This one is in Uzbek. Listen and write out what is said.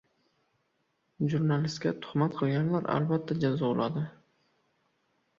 "Jurnalistga tuhmat qilganlar albatta jazo oladi"